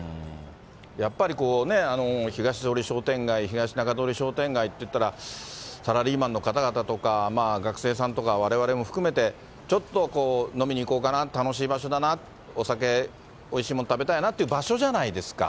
やっぱり、こうね、ひがし通り商店街、ひがし中通り商店街っていったら、サラリーマンの方々とか、学生さんとかわれわれも含めて、ちょっとこう、飲みに行こうかな、楽しい場所だな、お酒、おいしいもの食べたいなっていう場所じゃないですか。